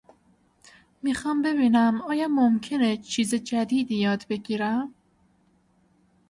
میخوام ببینم آیا ممکنه چیز جدیدی یاد بگیرم؟